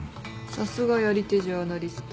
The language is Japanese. さすがやり手ジャーナリスト。